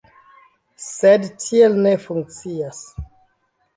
Sed tiel ne funkcias.